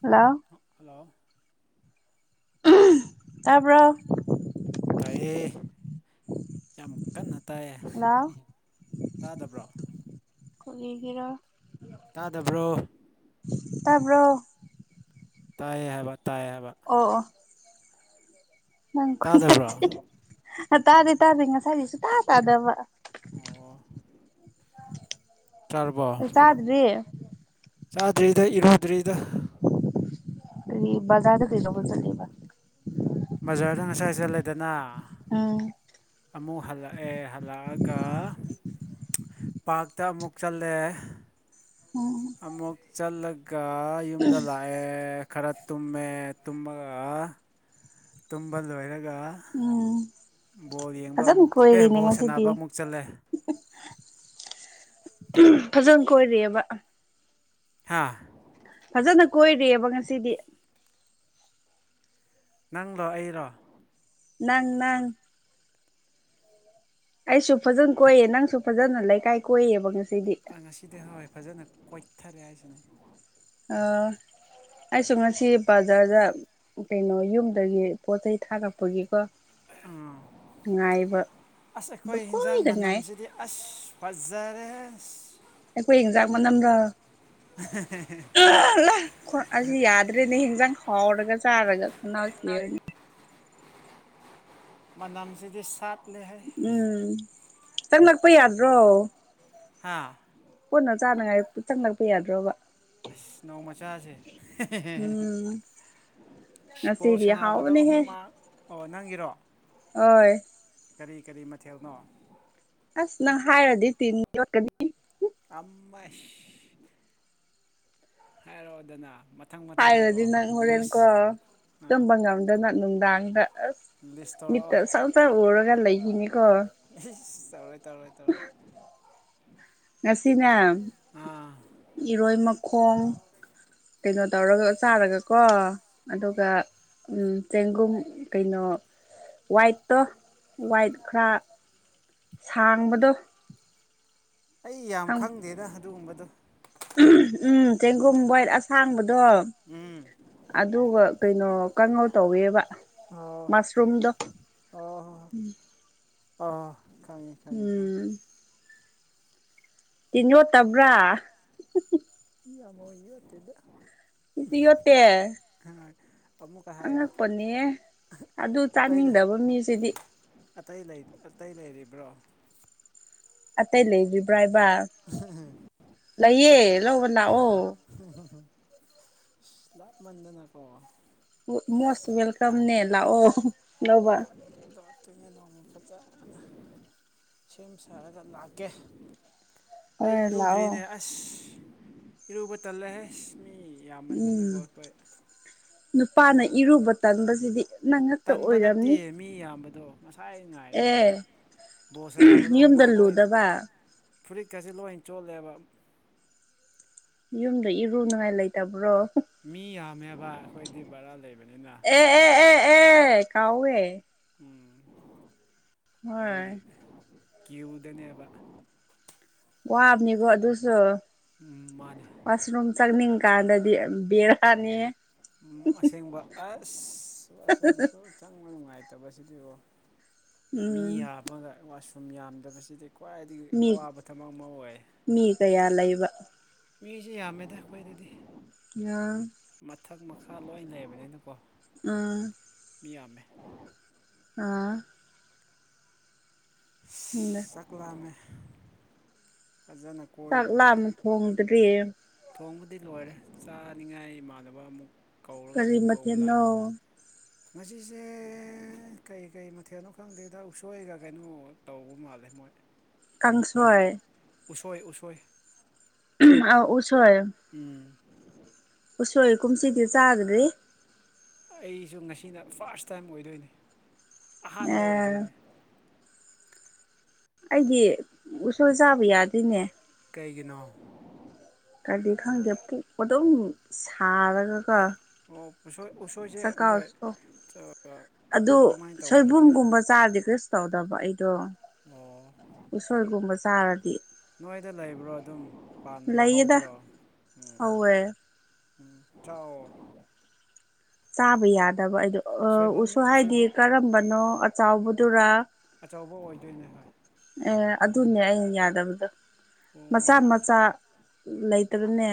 hello hello ꯇꯥꯄ ꯑꯦ ꯌꯥꯝ ꯀꯟꯅ ꯇꯥꯏꯌꯦ ꯍꯜꯂꯣ ꯇꯥꯗꯕ꯭ꯔꯣ ꯀꯗꯤꯒꯔ ꯇꯥꯗꯕ꯭ꯔꯣ ꯇꯥꯔꯕ ꯇꯥꯏꯦ ꯍꯥꯏꯕ ꯇꯥꯏꯦ ꯍꯥꯏꯕ ꯑꯣ ꯑꯣ ꯅꯪ ꯈꯨꯟꯦ ꯇꯥꯗꯕ꯭ꯔꯣ ꯇꯥꯔꯦ ꯇꯥꯔꯦ ꯉꯁꯥꯏꯒꯤꯁꯨ ꯇꯥ ꯇꯥꯗꯕ ꯑꯣ ꯆꯥꯔꯕꯣ ꯆꯥꯗꯔꯤ ꯆꯥꯗ꯭ꯔꯤꯗ ꯏꯔꯨꯗ꯭ꯔꯤꯗ ꯑꯩ ꯕꯖꯥꯗꯩꯒꯧꯕ ꯆꯠ ꯂꯩꯕ ꯑꯣꯖꯥꯗꯪ ꯉꯁꯥꯏꯁ ꯂꯩꯗꯅ ꯎꯝ ꯑꯃꯨꯛ ꯍꯜꯂꯛꯑꯦ ꯍꯜꯂꯛꯑꯒ ꯄꯥꯔꯛꯇ ꯑꯃꯨꯛ ꯆꯠꯂꯦ ꯎꯝ ꯑꯃꯨꯛ ꯆꯠꯂꯒ ꯌꯨꯝꯗ ꯂꯥꯛꯑꯦ ꯈꯔ ꯇꯨꯝꯃꯦ ꯇꯨꯝꯃꯒ ꯂ ꯎꯝ ꯕꯣꯜ ꯌꯦꯡꯕ ꯐꯖꯅ ꯑꯃꯨꯛ ꯑꯦ ꯀꯣꯏꯔꯤꯅꯦ ꯕꯣꯜ ꯉꯁꯤꯗꯤ ꯁꯥꯟꯅꯕ ꯑꯃꯨꯛ ꯆꯠꯂꯦ ꯐꯖꯅ ꯀꯣꯏꯔꯤꯑꯕ ꯍꯥꯥ ꯐꯖꯅ ꯀꯣꯏꯔꯤꯑꯕ ꯉꯁꯤꯗꯤ ꯅꯪꯗꯣ ꯑꯩꯔꯣ ꯅꯪ ꯅꯪ ꯑꯩꯁꯨ ꯐꯖꯅ ꯀꯣꯏꯌꯦ ꯅꯪꯁꯨ ꯐꯖꯅ ꯂꯩꯀꯥꯏ ꯀꯣꯏꯌꯦꯕ ꯉ ꯉꯁꯤꯗꯤ ꯍꯣꯏ ꯐꯖꯅ ꯀꯣꯏꯊꯔꯦ ꯍꯥꯏꯁꯤꯅꯦ ꯑ ꯑꯩꯁꯨ ꯉꯁꯤ ꯕꯖꯥꯔꯗ ꯀꯩꯅꯣ ꯌꯨꯝꯗꯒꯤ ꯄꯣꯠ ꯆꯩꯩ ꯊꯥꯔꯛꯄꯒꯤ ꯎꯝ ꯑꯁ ꯑꯗꯨ ꯑꯩꯈꯣꯏ ꯌꯦꯟꯖꯥꯡ ꯀꯨꯏꯅ ꯉꯥꯏ ꯃꯅꯝꯁꯤꯗꯤ ꯑꯁ ꯐꯖꯔꯦ ꯑꯩꯣꯏ ꯏꯖꯥꯛ ꯃꯅꯝ꯭ꯔ [unintelligible] ꯂ ꯑꯁꯤ ꯌꯥꯗ꯭ꯔꯦꯅꯦ ꯍꯟꯖꯥꯡ ꯍꯥꯎꯔꯒ ꯆꯥꯔꯒ ꯈꯅꯥꯁꯤꯅꯤ ꯅꯝꯁꯤꯗꯤ ꯁꯥꯠꯂꯦ ꯍꯥꯏ ꯆꯪꯪꯂꯛꯄ ꯌꯥꯗ꯭ꯔꯣ ꯍꯥꯥ ꯀꯟꯅ ꯆꯥꯅꯉꯥꯏ ꯆꯪꯪꯂꯛꯄ ꯌꯥꯗ꯭ꯔꯣꯕ ꯑꯁ ꯅꯥꯎꯃꯆꯥꯁꯦ ꯑ ꯁꯤꯦꯔꯤꯌꯥ ꯍꯥꯎꯅꯦꯍꯦ ꯍꯨꯃꯥꯡ ꯑꯣ ꯅꯪꯒꯤꯔꯣ ꯑꯣ ꯀꯔꯤ ꯀꯔꯤ ꯃꯊꯦꯜꯅꯣ ꯑꯁ ꯅꯪ ꯍꯥꯏꯔꯗꯤ ꯇꯤꯟ ꯌꯣꯠꯀꯅꯤ ꯑꯝꯕ ꯍꯔꯥꯎꯗꯅꯥ ꯃ ꯍꯥꯏꯔꯗꯤ ꯅꯪ ꯍꯣꯔꯦꯟꯀꯣ ꯑꯥ ꯇꯝꯕ ꯉꯝꯗꯅ ꯅꯨꯡꯗꯥꯡꯗ ꯑꯁ ꯂꯤꯁ ꯃꯤꯇ ꯇꯧꯔꯛꯑꯣ ꯁ ꯆꯔ ꯑꯣꯔꯒ ꯂꯩꯈꯤꯅꯤ ꯇꯧꯔꯣꯏ ꯇꯧꯔꯑꯣꯣꯏ ꯇꯧꯔꯣꯏ ꯉꯁꯤꯅ ꯑꯥ ꯏꯔꯣꯏ ꯃꯈꯣꯡ ꯀꯩꯅꯣ ꯇꯧꯔꯒ ꯆꯥꯔꯒꯀꯣ ꯑꯗꯨꯒ ꯆꯦꯡꯒꯨꯝ ꯀꯩꯅꯣ ꯋꯥꯏꯠꯇꯣ ꯋꯥꯏꯠ ꯈꯔ ꯁꯥꯡꯕꯗꯣ ꯑꯩ ꯌꯥꯝ ꯈꯪꯗꯦꯗ ꯑꯗꯨꯒꯨꯝꯕꯗꯣ ꯎꯝ ꯆꯦꯡꯒꯨꯝ ꯕꯣꯏꯠ ꯑꯁꯥꯡꯕꯗꯣ ꯎꯝ ꯑꯗꯨꯒ ꯀꯩꯅꯣ ꯀꯥꯡꯉꯧ ꯇꯧꯋꯦꯕ ꯑꯣ ꯃꯥꯁꯔꯨꯝꯨꯝꯗ ꯑ ꯈꯪꯉꯦ ꯈꯪꯉꯦ ꯈꯉꯦ ꯇꯤꯟꯒꯣ ꯇꯕ꯭ꯔꯥ ꯏ ꯌꯥꯝ ꯑꯃꯣ ꯇꯗ ꯏꯍꯠꯇ ꯑꯃꯨꯛꯀ ꯍꯥꯏꯌꯣ ꯑꯉꯛꯄꯅꯦ ꯑꯗꯨ ꯑꯇꯩ ꯆꯥꯅꯤꯡꯗꯕ ꯃꯤꯁꯤꯗꯤ ꯑꯇꯩ ꯑꯇꯩ ꯂꯩꯔꯤꯕ꯭ꯔꯣ ꯑꯇꯩ ꯂꯩꯕꯤꯕ꯭ꯔꯥ ꯍꯥꯏꯕ ꯂꯩꯌꯦ ꯂꯧꯕ ꯂꯥꯛꯑꯣ ꯂꯥꯞ ꯃꯗꯅꯀꯣ ꯃꯣꯁ ꯋꯦꯜꯀꯝ ꯅꯦꯂ ꯑꯣ ꯂꯥꯛꯇꯅꯦ ꯅꯃ ꯐꯖꯅ ꯁꯦꯝ ꯁꯥꯔꯒ ꯂꯥꯛꯀꯦ ꯑꯩ ꯍꯣꯏ ꯂꯥꯛꯑꯣ ꯏꯔꯨꯗ꯭ꯔꯤꯅꯦ ꯑꯁ ꯏꯔꯨꯕ ꯇꯜꯂꯦꯁ ꯎꯝ ꯅꯨꯄꯥꯅ ꯕꯣꯜ ꯏꯔꯨꯕ ꯆꯪꯕꯁꯤꯗꯤ ꯇꯟꯕ ꯅꯠꯇꯦ ꯃꯤ ꯌꯥꯝꯕꯗꯣ ꯉꯁꯥꯏ ꯉꯥꯏꯔꯤꯅꯦ ꯑꯦ ꯕꯣꯜ ꯌꯨꯝꯗ ꯂꯨꯗꯕ ꯐꯨꯔꯤꯠ ꯈꯁꯤꯦ ꯂꯣꯏ ꯆꯣꯠꯂꯦꯕ ꯌꯨꯝꯗꯣ ꯏꯔꯨ ꯉꯥꯏ ꯂꯩꯇꯕ꯭ꯔꯣ ꯃꯤ ꯌꯥꯝꯃꯦꯕ ꯑꯩꯈꯣꯏꯗꯤ ꯕꯔꯥ ꯂꯩꯕꯅꯤꯅ ꯑꯦ ꯑꯦ ꯑꯦ ꯑꯦ ꯀꯥꯎꯋꯦ ꯎꯝ ꯑꯗꯨꯒꯤ ꯍꯣꯏ ꯀ꯭ꯦꯌꯨꯗꯅꯦꯕ ꯋꯥꯕꯅꯤꯀꯣ ꯑꯗꯨꯁꯨ ꯎꯝ ꯃꯥꯅꯦ ꯋꯥꯁꯔꯨꯝ ꯆꯪꯅꯤꯡꯀꯥꯟꯗꯗꯤ ꯕꯤꯔꯍꯅꯤ ꯎ ꯑꯁꯦꯡꯕ ꯑꯁ ꯑꯁꯨꯝꯁꯨ ꯆꯪꯕ ꯅꯨꯡꯉꯥꯏꯔꯦ ꯐꯠꯇꯕꯁꯤꯗꯤ ꯑꯣ ꯃꯤ ꯎꯝ ꯌꯥꯝꯃꯒ ꯋꯥꯁꯔꯨꯝ ꯌꯥꯝꯗꯕꯁꯤꯗꯤ ꯈ꯭ꯋꯥꯏꯗꯒꯤ ꯃꯤ ꯑꯋꯥꯕ ꯊꯕꯛ ꯑꯃ ꯑꯣꯏ ꯃꯤ ꯀꯌꯥ ꯂꯩꯕ ꯃꯤꯁꯦ ꯌꯥꯝꯃꯦꯗ ꯑꯩꯈꯣꯏꯗꯗꯤ ꯌꯥ ꯃꯊꯛ ꯃꯈꯥ ꯂꯣꯏ ꯂꯩꯕꯅꯤꯅꯀꯣ ꯑꯥ ꯃꯤ ꯌꯥꯝꯃꯦ ꯑ ꯆꯛꯂꯃꯦ ꯆꯠꯂ ꯑꯃꯛ ꯍꯣꯡꯗ꯭ꯔꯤ ꯊꯣꯡꯕꯗꯤ ꯂꯣꯏꯔꯦ ꯆꯥꯅꯤꯡꯉꯥꯏ ꯏꯃꯥꯟꯅꯕ ꯑꯃꯨꯛ ꯀꯔꯤꯔꯤ ꯃꯊꯅꯣ ꯃꯁꯤꯁꯦ ꯀꯩ ꯀꯩ ꯃꯊꯦꯜꯅꯣ ꯈꯪꯗꯦꯗ ꯎꯁꯣꯏꯒ ꯀꯩꯅꯣ ꯇꯧꯕ ꯃꯥꯜꯂꯦ ꯣꯏ ꯀꯥꯡꯁꯣꯏ ꯑꯣꯏ ꯎꯁꯣꯏ ꯑ ꯎꯝ ꯎꯁꯣꯏ ꯀꯨꯝꯁꯤꯗꯤ ꯆꯥꯗ꯭ꯔꯦ ꯑꯩꯁꯨ ꯉꯁꯤꯅ ꯐꯥꯔꯁ ꯇꯥꯏꯝ ꯑꯣꯏꯗꯣꯏꯅꯤ ꯑꯍꯥꯟꯕ ꯑꯦ ꯑꯣꯏꯗꯣꯏꯅꯤ ꯑꯩꯗꯤ ꯎꯁꯣꯏ ꯆꯥꯕ ꯌꯥꯗꯣꯏꯅꯦ ꯀꯩꯒꯤꯅꯣ ꯀꯔꯤ ꯈꯪꯗꯦ ꯄꯨꯛ ꯑꯗꯨꯝ ꯁꯥꯔꯒꯀꯣ ꯑꯣ ꯎꯁꯣꯏꯁꯦ ꯃꯣꯏ ꯆꯥꯛꯀꯥꯎꯁꯨ ꯑꯗꯨ ꯁꯣꯏꯕꯨꯝꯒꯨꯝꯕ ꯆꯥꯔꯗꯤ ꯀꯩꯔꯤ ꯁꯨ ꯇꯧꯗꯕ ꯑꯩꯗꯨ ꯑꯣ ꯒꯨꯝꯕ ꯆꯥꯔꯗꯤ ꯅꯣꯏꯗꯥ ꯂꯩꯕ꯭ꯔꯣ ꯑꯗꯨꯝ ꯄꯥꯟꯕ꯭ꯔꯣ ꯂꯩꯌꯦꯗ ꯍꯧꯕ꯭ꯔꯣ ꯑꯝ ꯍꯧꯋꯦ ꯑꯝ ꯆꯥꯑꯣ ꯆꯥꯕ ꯌꯥꯗꯕ ꯑꯩꯗꯨ ꯁꯣꯏꯕꯨꯝ ꯎꯁꯨꯏ ꯍꯥꯏꯗꯤ ꯁꯣꯏꯕꯨꯝ ꯀꯔꯝꯕꯅꯣ ꯑꯆꯥꯎꯕꯥꯗꯨꯔ ꯑꯆꯧꯕ ꯑꯣꯏꯗꯣꯏꯅꯦ ꯍꯣꯏ ꯑꯦ ꯑꯗꯨꯅꯦ ꯑꯩ ꯌꯥꯗꯕꯗꯣ ꯑꯣ ꯃꯆꯥ ꯃꯆꯥ ꯂꯩꯇꯕꯅꯦ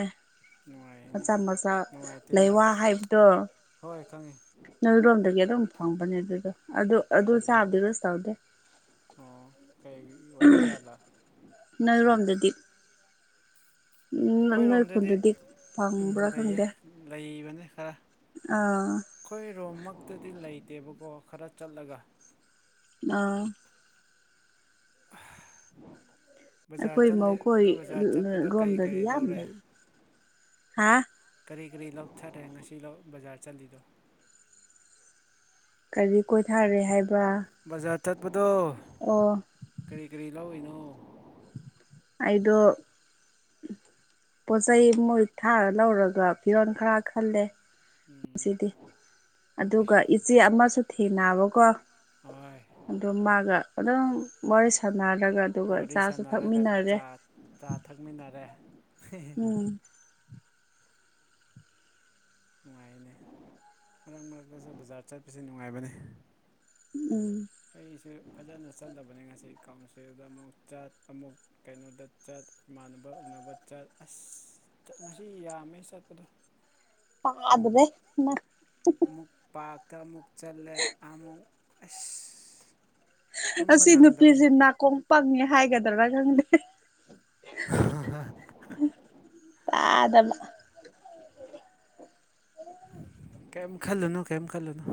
ꯅꯨꯡꯉꯥꯏꯅꯦ ꯃꯆꯥ ꯃꯆꯥ ꯅꯨꯡꯉꯥꯏꯇꯦꯅꯦ ꯂꯩꯋꯥ ꯍꯥꯏꯕꯗꯣ ꯍꯣꯏ ꯈꯪꯉꯤ ꯅꯣꯏꯔꯣꯝꯗꯒꯤ ꯑꯗꯨꯝ ꯐꯪꯕꯅꯦ ꯑꯗꯨꯗꯣ ꯑꯗꯨ ꯑꯗꯨ ꯆꯥꯕꯗꯤ ꯀꯔꯤꯁꯨ ꯇꯧꯗꯦ ꯑꯣ ꯀꯩꯒꯤ ꯑꯣꯏꯕ ꯖꯥꯠꯂ ꯅꯣꯏꯔꯣꯝꯗꯗꯤ‌ ꯑꯈꯣꯏꯔꯣꯝꯗꯗꯤ ꯐꯪꯕ꯭ꯔꯥ ꯂꯩꯌꯦ ꯈꯪꯗꯦ ꯂꯩꯕꯅꯤ ꯈ꯭ꯔꯥ ꯑꯥ ꯑꯈꯣꯏꯔꯣꯝꯃꯛꯇꯗꯤ ꯂꯩꯇꯦꯕꯀꯣ ꯈꯔꯥ ꯆꯠꯂꯒ ꯑꯥ ꯕꯖꯥꯔ ꯑꯈꯣꯏ ꯆꯠꯂꯤ ꯃꯧ ꯕꯖꯥꯔ ꯆꯠꯄꯗꯣ ꯀꯔꯤ ꯈꯣꯏꯔꯣꯝꯗꯗꯤ ꯀꯔꯤ ꯌꯥꯝ ꯂꯧꯔꯦ ꯂꯩ ꯍꯥ ꯀꯔꯤ ꯀꯔꯤ ꯂꯧꯊꯔꯦ ꯉꯁꯤ ꯕꯖꯥꯔ ꯆꯠꯂꯤꯗꯣ ꯀꯔꯤ ꯀꯣꯏꯊꯥꯔꯦ ꯍꯥꯏꯕ ꯕꯖꯥꯔ ꯆꯠꯄꯗꯣ ꯑꯣ ꯀꯔꯤ ꯀꯔꯤ ꯂꯧꯏꯅꯣ ꯑꯩꯗꯣ ꯄꯣꯠ ꯆꯩꯩ ꯃꯣꯏ ꯈꯔ ꯂꯧꯔꯒ ꯐꯤꯔꯣꯜ ꯈꯔ ꯈꯜꯂꯦ ꯎꯝ ꯉꯁꯤꯗꯤ ꯑꯗꯨꯒ ꯑꯁ ꯏꯆꯦ ꯑꯃꯁꯨ ꯊꯦꯡꯅꯕꯀꯣ ꯍꯣꯏ ꯑꯗꯣ ꯃꯥꯒ ꯑꯗꯨꯝ ꯋꯥꯔꯤ ꯁꯥꯟꯅꯔꯒ ꯑꯗꯨꯒ ꯋꯥꯔꯤ ꯆꯥꯁꯨ ꯁꯥꯟꯅꯔꯒ ꯊꯛꯃꯤꯟꯅꯔꯦ ꯆꯥ ꯆꯥ ꯊꯛꯃꯤꯟꯅꯔꯦ ꯑꯝ ꯅꯨꯡꯉꯥꯏꯅꯦ ꯃꯔꯛ ꯃꯔꯛꯇꯁꯨ ꯕꯖꯥꯔ ꯆꯠꯄꯁꯦ ꯅꯨꯡꯉꯥꯏꯕꯅꯤ ꯎꯝ ꯑꯩꯁꯦ ꯐꯥꯖꯅ ꯆꯠꯂꯥꯕꯅꯦ ꯆꯤꯞ ꯀꯥꯎꯟꯁꯤꯜꯗ ꯑꯃꯨꯛ ꯆꯠ ꯑꯃꯨꯛ ꯀꯩꯅꯣꯗ ꯆꯠ ꯏꯃꯥꯟꯅꯕ ꯎꯅꯕ ꯆꯠ ꯑꯥꯁ ꯉꯁꯤ ꯌꯥꯝꯃꯦ ꯆꯠꯄꯗꯣ ꯑꯥ ꯑꯃꯨꯛ ꯑꯗꯨꯗꯩ ꯏꯃꯥ ꯑꯃꯨꯛ ꯄꯥꯛꯇ ꯑꯃꯨꯛ ꯆꯜꯂꯦ ꯑꯃꯨꯛ ꯑꯁ ꯇꯨꯝꯕ ꯑꯁꯤ ꯅꯪꯗꯕꯅꯦ ꯅꯨꯄꯤꯁꯤ ꯅꯥꯀꯣꯡ ꯄꯪꯉꯦ ꯍꯥꯏꯒꯗ꯭ꯔꯥ ꯈꯪꯗꯦ ꯍꯥ ꯍꯥ ꯇꯥꯗꯕ ꯀꯤꯝ ꯈꯜꯂꯨꯅ ꯀꯤꯝ ꯈꯜꯂꯨꯅ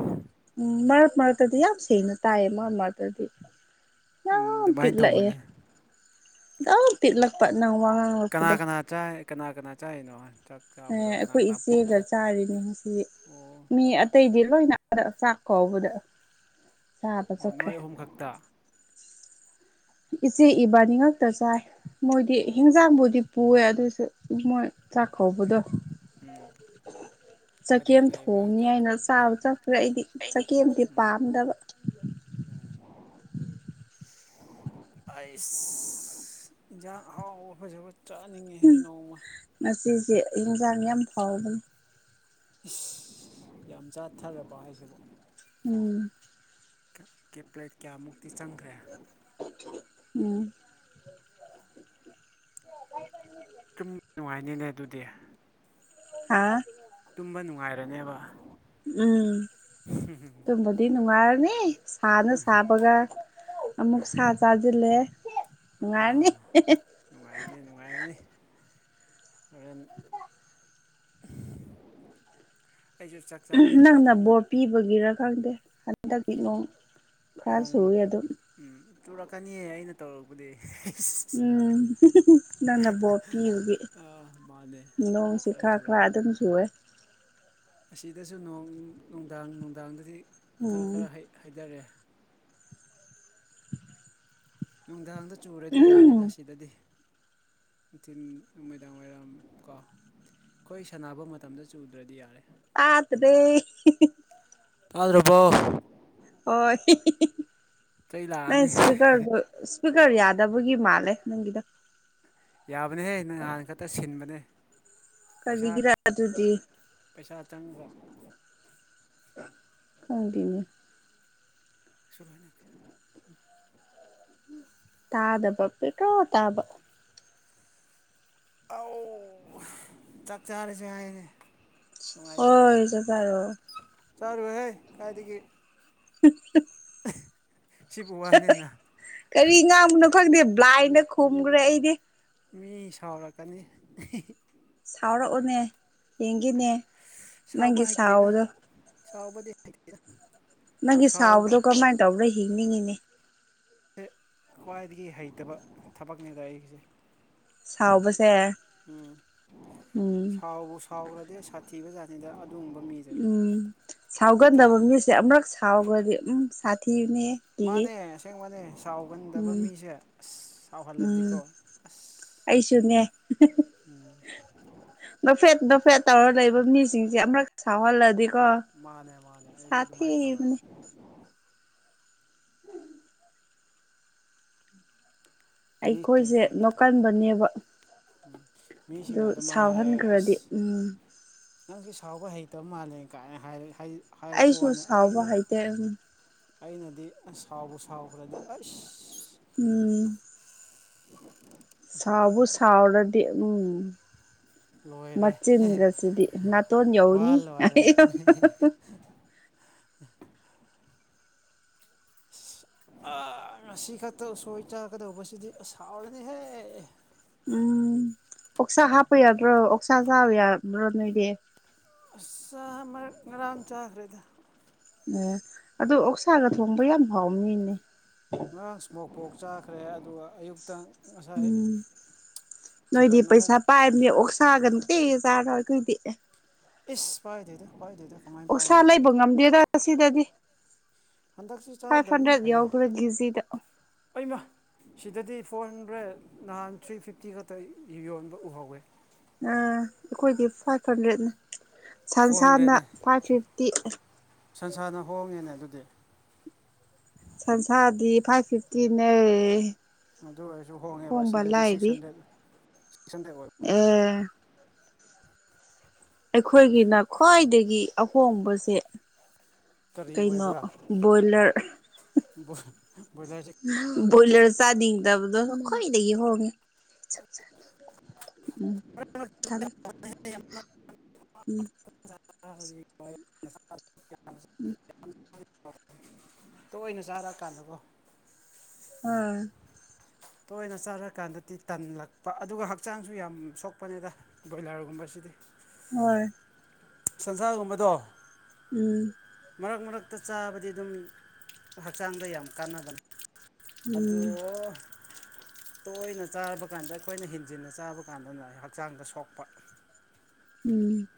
ꯑꯝ ꯃꯔꯛ ꯃꯔꯛꯇꯗꯤ ꯌꯥꯝ ꯁꯦꯡꯅ ꯇꯥꯏꯌꯦ ꯃꯔꯛ ꯃꯔꯛꯇꯗꯤ ꯎꯝ ꯌꯥꯝ ꯄꯤꯛ ꯑꯗꯨꯃꯥꯏꯅ ꯂꯥꯛꯑꯦ ꯇꯧꯕꯅꯦ ꯌꯥꯝ ꯄꯤꯠ ꯂꯛꯄ ꯀꯅꯥ ꯀꯅꯥ ꯆꯥꯏ ꯀꯅꯥ ꯀꯅꯥ ꯆꯥꯏꯅꯣ ꯆꯥꯛ ꯆꯥꯕꯗꯣ ꯑꯦ ꯀꯅꯥ ꯑꯈꯣꯏ ꯀꯅꯥ ꯏꯆꯦꯒ ꯆꯥꯔꯤꯅꯤ ꯉꯁꯤ ꯑꯣ ꯃꯤ ꯑꯇꯩꯗꯤ ꯂꯣꯏꯅ ꯆꯥꯛ ꯀꯧꯕꯗ ꯆꯥꯕ ꯑꯣ ꯆꯠꯈ꯭ꯔꯦ ꯅꯣꯏ ꯑꯍꯨꯝ ꯈꯛꯇ ꯏꯆꯦ ꯏꯕꯥꯅꯤ ꯉꯛꯇ ꯆꯥꯏ ꯃꯣꯏꯗꯤ ꯑꯣ ꯍꯤꯟꯖꯥꯡꯕꯨꯗꯤ ꯄꯨꯌꯦ ꯑꯗꯨꯁꯨ ꯃꯣꯏ ꯆꯥꯛꯀꯧꯕꯗꯣ ꯑꯝ ꯆꯥꯒꯦꯝ ꯊꯣꯡꯉꯦ ꯉꯁꯥꯏ ꯆꯥꯕ ꯆꯥꯛ ꯆꯠꯇ꯭ꯔꯦ ꯑꯩꯗꯤ ꯆꯥꯒꯦꯝꯗꯤ ꯄꯥꯝꯗꯕ ꯑꯝ ꯑꯁ ꯌꯥ ꯍꯥꯎ ꯑꯐ ꯆꯥꯅꯤꯡꯉꯦꯍꯦ ꯅꯣꯡꯃ ꯏꯟꯁꯥꯡ ꯌꯥꯝ ꯐꯥꯎꯕꯅꯤ ꯌꯥꯝ ꯆꯥꯊꯔꯕ ꯍꯥꯏꯁꯤꯕꯣ ꯎꯝ ꯀꯦ ꯄ꯭ꯂꯦꯠ ꯀꯌꯥꯃꯨꯛꯇꯤ ꯆꯪꯈ꯭ꯔꯦ ꯎꯝ ꯁꯨꯝ ꯅꯨꯡꯉꯥꯏꯅꯤꯅꯦ ꯑꯗꯨꯗꯤ ꯍꯥ ꯇꯨꯝꯕ ꯅꯨꯡꯉꯥꯏꯔꯅꯦꯕ ꯎꯝ ꯑꯗꯨꯝꯕꯗꯤ [unintelligible] ꯅꯨꯡꯉꯥꯏꯔꯅꯤ ꯁꯥꯅ ꯁꯥꯕꯒ ꯑꯃꯨꯛ ꯁꯥ ꯆꯥꯁꯤꯜꯂꯦ ꯅꯨꯡꯉꯥꯏꯔꯅꯤ ꯑꯥ ꯑꯦꯟ ꯅꯪꯅ ꯕꯣꯔꯠ ꯄꯤꯕꯒꯤꯔ ꯈꯪꯗꯦ ꯍꯟꯗꯛꯇꯤ ꯅꯣꯡ ꯈꯔ ꯅꯣꯡ ꯆꯨꯏ ꯑꯗꯨꯝ ꯎꯝ ꯆꯨꯔꯛꯀꯅꯤꯌꯦ ꯑꯩꯅ ꯇꯧꯔꯛꯄꯗꯤ ꯎꯝ ꯅꯪꯕꯣ ꯄꯤꯌꯒꯦ ꯑꯥ ꯃꯥꯅꯦ ꯅꯣꯡꯁꯤ ꯈꯔ ꯈꯔ ꯑꯗꯨꯝ ꯁꯨꯑꯦ ꯑꯁꯤꯗꯁꯨ ꯅꯨꯡꯗꯥꯡ ꯅꯨꯡꯗꯥꯡꯗꯗꯤ ꯈꯔ ꯎꯝ ꯈꯔ ꯍꯩꯊꯔꯦ ꯅꯨꯡꯗꯥꯡꯗ ꯆꯨꯔꯗꯤ ꯌꯥꯔꯦꯗ ꯎꯝ ꯁꯤꯗꯗꯤ ꯑꯗꯨꯊꯤꯟ ꯃꯣꯏꯗꯥꯡ ꯋꯥꯣꯏꯔꯝ ꯀ ꯑꯩꯈꯣꯏ ꯁꯥꯟꯅꯕ ꯃꯇꯝꯗ ꯆꯨꯗ꯭ꯔꯗꯤ ꯌꯥꯔꯦ ꯇꯥꯗꯔꯦ ꯇꯥꯗꯔ꯭ꯕꯣ ꯍꯣꯢ ꯆꯩ ꯅꯪ ꯂꯥꯛꯑꯅꯤ ꯁ꯭ꯄꯤꯛꯀꯥꯔ ꯗꯨ ꯈꯔ ꯌꯥꯗꯕꯒꯤ ꯃꯥꯜꯂꯦ ꯅꯪꯒꯤꯗꯣ ꯌꯥꯕꯅꯦꯍꯦ ꯅꯍꯥꯟ ꯈꯛꯇ ꯁꯤꯟꯕꯅꯦ ꯄꯩꯁꯥ ꯀꯕꯤꯒꯤꯔꯥ ꯑꯗꯨꯗꯤ ꯄꯩꯁꯥ ꯆꯪꯉꯒ ꯈꯪꯗꯦꯅꯦ ꯁꯣꯏꯅ [inaudible] ꯇꯥꯗꯕ [inaudible] ꯄꯦ꯭ꯔꯣ ꯇꯥꯕ ꯑꯥꯎ ꯆꯥꯛ ꯆꯥꯔꯁꯦ ꯍꯥꯏꯅꯦ ꯍꯣꯢ ꯆꯥꯛ ꯆꯔꯣ ꯆꯥꯔꯣꯢꯍꯦ ꯀꯥꯏꯗꯒꯤ [inaudible] ꯁꯤꯕꯨ ꯋꯥꯅꯦꯅ ꯀꯔꯤ ꯉꯥꯡꯕꯅꯣ ꯈꯪꯗꯦ ꯕ꯭ꯂꯥꯏꯅ ꯈꯨꯝꯈ꯭ꯔꯦ ꯑꯩꯗꯤ ꯃꯤ ꯁꯥꯎꯔꯛꯀꯅꯤ ꯁꯥꯎꯔꯛꯎꯅꯦ ꯌꯦꯡꯈꯤꯅꯦ ꯅꯪꯒꯤ ꯁꯥꯎꯕꯗꯣ ꯆꯥꯎꯕꯗꯤ ꯍꯩꯇꯦ ꯅꯪꯒꯤ ꯁꯥꯎꯕꯗꯣ ꯀꯃꯥꯏꯅ ꯇꯧꯕ꯭ꯔꯥ ꯍꯤꯡꯅꯤꯡꯉꯤꯅꯦ ꯑꯩꯁꯦ ꯈ꯭ꯋꯥꯏꯗꯒꯤ ꯍꯩꯇꯕ ꯊꯕꯛꯅꯦꯗ ꯑꯩꯒꯤꯁꯦ ꯁꯥꯎꯕꯁꯦ ꯎꯝ ꯎꯝ ꯁꯥꯎꯕꯨ ꯁꯥꯎꯈ꯭ꯔꯗꯤ ꯁꯥꯊꯤꯕ ꯖꯥꯠꯅꯤꯗ ꯎꯝ ꯅꯠꯇ꯭ꯔꯥ ꯁꯥꯎꯒꯟꯗꯕ ꯃꯤꯁꯦ ꯑꯃꯨꯔꯛ ꯁꯥꯎꯈ꯭ꯔꯗꯤ ꯎꯝ ꯁꯥꯊꯤꯕꯅꯦ ꯀꯤꯍꯦ ꯃꯥꯅꯦ ꯑꯁꯦꯡꯕꯅꯦ ꯁꯥꯎꯒꯟꯗꯕ ꯃꯤꯁꯦ ꯑꯁ ꯎꯝ ꯁꯥꯎꯍꯜꯂꯗꯤꯀꯣ ꯑꯁ ꯑꯩꯁꯨꯅꯦ ꯎꯝ ꯅꯣꯛꯐꯦꯠ ꯅꯣꯛꯐꯦꯠ ꯇꯧꯔꯒ ꯂꯩꯕ ꯃꯤꯁꯤꯡꯁꯦ ꯑꯃꯛ ꯁꯥꯎꯍꯜꯂꯥꯗꯤ ꯀꯦ ꯃꯥꯅꯦ ꯃꯥꯅꯦ ꯑꯩꯁꯨ ꯑꯗꯨꯃꯥꯏꯅ ꯁꯊꯤꯕꯅꯦ ꯇꯧꯋꯦꯕ ꯃꯤꯁꯤꯡꯅ ꯑꯩꯈꯣꯏꯁꯦ ꯑꯩ ꯅꯣꯛꯀꯟꯕꯅꯦꯕ ꯎꯝ ꯑꯗꯨ ꯃꯤꯁꯤꯡꯅ ꯑꯗꯨꯃꯥꯏꯅ ꯁꯥꯎꯍꯟꯈ꯭ꯔꯗꯤ ꯎꯝ ꯅꯪꯁꯤ ꯁꯥꯎꯕ ꯍꯩꯇꯕ ꯃꯥꯜꯂꯦ ꯀꯥꯏꯅ ꯍꯥꯏꯔ ꯑꯩꯁꯨ ꯁꯥꯎꯕ ꯍꯩꯇꯦ ꯑꯗꯨꯝ ꯑꯩꯅꯗꯤ ꯑꯁ ꯁꯥꯎꯕ ꯁꯥꯎꯈ꯭ꯔꯗꯤ ꯑꯁ ꯁꯥꯥꯎꯕꯨ ꯁꯥꯎꯔꯗꯤ ꯎꯝ ꯂꯣꯏꯔꯦ ꯃꯆꯤꯟꯒꯁꯤꯗꯤ ꯅꯥꯇꯣꯟ ꯋꯥ ꯌꯧꯅꯤ ꯂꯣꯏꯔꯦ ꯑꯩ [inaudible] ꯉꯁꯤ ꯈꯛꯇ ꯎꯁꯣꯏ ꯆꯥꯀꯗꯧꯕꯁꯤꯗꯤ ꯁꯥꯎꯔꯅꯤꯍꯦ ꯎꯝ ꯑꯣꯛꯁꯥ ꯍꯥꯞꯄ ꯌꯥꯗ꯭ꯔꯣ ꯑꯣꯛꯁꯥ ꯆꯥꯕ ꯌꯥꯗ꯭ꯔꯣ ꯅꯣꯏꯗꯤ ꯑ ꯁ ꯑꯃꯒꯥꯡ ꯆꯥꯛꯈ꯭ꯔꯦꯗ ꯑꯦ ꯑꯗꯨ ꯑꯣꯛꯁꯥꯒ ꯊꯣꯡꯕ ꯌꯥꯝ ꯍꯥꯎ ꯃꯤꯅꯦ ꯉꯔꯥꯡ ꯏꯁꯃꯣꯛ ꯄꯣꯛ ꯆꯥꯈ꯭ꯔꯦ ꯑꯗꯨꯒ ꯑꯌꯨꯛꯇꯪ ꯎꯝ ꯅꯣꯏꯣꯏꯗꯤ ꯆꯤꯀꯟ ꯑꯃꯨꯛ ꯄꯩꯁꯥ ꯄ ꯑꯣꯁꯥꯒꯅ ꯖꯥꯔꯣꯏ ꯀꯗꯤ [inaudible] ꯏꯁꯁ ꯄꯥꯏꯗꯦꯗ ꯄꯥꯏꯗꯦꯗ ꯀꯃꯥꯏꯅ ꯑꯣꯁꯥ ꯄꯥꯏꯗꯣꯏꯅꯣꯗ ꯂꯩꯕ ꯉꯝꯗꯦꯗ ꯁꯤꯗꯗꯤ ꯍꯟꯗꯛꯁꯤ ꯆꯥꯗꯕꯅ ꯐꯩꯌꯦ ꯀꯦꯖꯤꯗ ꯑꯩꯃꯥꯥ ꯁꯤꯗꯗꯤ ꯐꯣꯟ ꯍꯣꯔꯦ ꯅꯍꯥꯟ ꯊ꯭ꯔꯤ ꯐꯤꯐꯇꯤ ꯈꯛꯇ ꯌꯣꯟꯕ ꯎꯍꯧꯋꯦ ꯑꯩꯈꯣꯏꯗꯤ ꯐꯥꯏꯚ ꯍꯟꯗ꯭ꯔꯦꯠꯅꯦ ꯐꯣꯔ ꯁꯟꯁꯅ ꯐꯥꯏꯚ ꯐꯤꯐ ꯇ [inaudible] ꯁꯟꯁꯥꯔꯅ ꯍꯣꯡꯉꯦꯅꯦ ꯑꯗꯨꯗꯤ ꯁꯟꯁꯥꯗꯤ ꯐꯥꯏꯚ ꯐꯤꯐꯇꯤꯅꯦ ꯑꯗꯨ ꯑꯣꯏꯔꯁꯨ ꯍꯣꯡꯉꯦꯕ ꯍꯣꯡꯕ ꯁꯤꯗꯗꯤ ꯁꯤꯛꯁ ꯂꯥꯏꯔꯤ ꯍꯟꯗ꯭ꯔꯦꯠ ꯇꯁꯟꯗꯦꯛ ꯑꯣꯏꯕ ꯃꯥꯂꯦ ꯑꯦ ꯑꯩꯈꯣꯏꯒꯤꯅ ꯈ꯭ꯋꯥꯏꯗꯒꯤ ꯑꯍꯣꯡꯕꯁꯦ ꯀꯔꯤ ꯀꯩꯅꯣ ꯑꯣꯏꯕ꯭ꯔꯥ ꯕꯣꯏꯂꯔ ꯣꯏꯗꯥꯏꯁꯤꯦ ꯕꯣꯏꯂꯔ ꯆꯥꯅꯤꯡꯗꯕꯗꯣ ꯁ ꯈ꯭ꯋꯥꯏꯗꯒꯤ ꯍꯣꯡꯉꯦ ꯎꯝ ꯊꯂꯦ ꯎꯝ ꯖꯤ ꯎꯝ ꯇꯣꯏꯏꯅ ꯆꯥꯔꯛꯑꯀꯥꯟꯗꯀꯣ ꯎꯝ ꯇꯣꯏꯅ ꯆꯥꯔꯀꯥꯟꯗꯗꯤ ꯇꯜꯂꯛꯄ ꯑꯗꯨꯒ ꯍꯛꯆꯥꯡꯁꯨ ꯌꯥꯝ ꯁꯣꯛꯄꯅꯤꯗ ꯕꯣꯏꯂꯔꯒꯨꯝꯕꯁꯤꯗꯤ ꯍ ꯁꯟꯖꯥꯒꯨꯝꯕꯗꯣ ꯎꯝ ꯃꯔꯛ ꯃꯔꯛꯇ ꯆꯥꯕꯗꯤ ꯑꯗꯨꯝ ꯍꯛꯆꯥꯡꯗ ꯌꯥꯝ ꯀꯥꯟꯅꯕꯅꯤ ꯑꯗꯣ ꯎꯝ ꯇꯣꯏꯅ ꯆꯥꯕ ꯀꯥꯟꯗ ꯑꯩꯈꯣꯏꯅ ꯍꯦꯟꯖꯤꯟꯅ ꯆꯥꯕ ꯀꯥꯟꯗꯅ ꯍꯛꯆꯥꯡꯗ ꯁꯣꯛꯄ ꯎꯝ